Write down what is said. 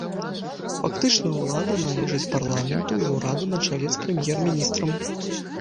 Фактычная ўлада належыць парламенту і ўраду на чале з прэм'ер-міністрам.